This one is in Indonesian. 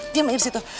diam aja di situ